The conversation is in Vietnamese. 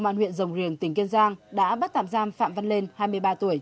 cơ quan huyện rồng riềng tỉnh kiên giang đã bắt tạm giam phạm văn lên hai mươi ba tuổi